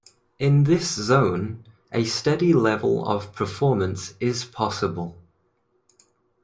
In this zone, a steady level of performance is possible.